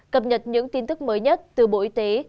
cập nhật những tin tức mới nhất từ bộ y tế